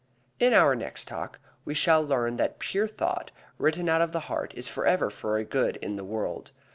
In our next Talk we shall learn that pure thought, written out of the heart, is forever a good in the world.